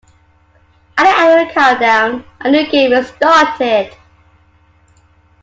At the end of the countdown, a new game is started.